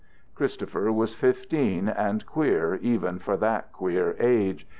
Christopher was fifteen, and queer even for that queer age.